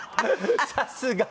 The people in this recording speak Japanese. さすが！